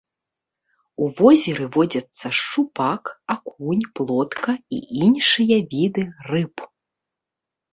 У возеры водзяцца шчупак, акунь, плотка і іншыя віды рыб.